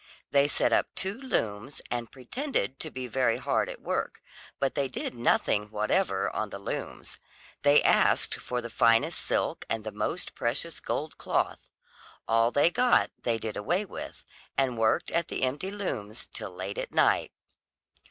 They set up two looms, and pretended to be very hard at work, but they did nothing whatever on the looms. They asked for the finest silk and the most precious gold cloth; all they got they did away with, and worked at the empty looms till late at night.